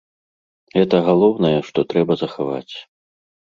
Гэта галоўнае, што трэба захаваць.